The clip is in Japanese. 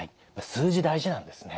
数字大事なんですね。